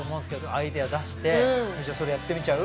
アイデア出して「じゃあそれやってみちゃう？」